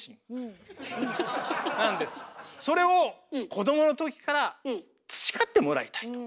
それを子どもの時から培ってもらいたいと。